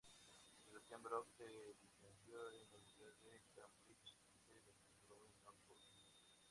Sebastian Brock se licenció en la Universidad de Cambridge, y se doctoró en Oxford.